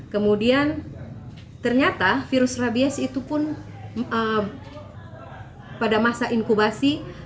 kemudian ternyata virus rabies itu pun pada masa inkubasi